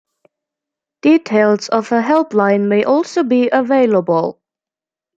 Details of a helpline may also be available.